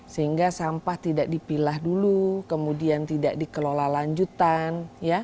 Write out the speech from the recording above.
sehingga sampah tidak dipilah dulu kemudian tidak dikelola lanjutan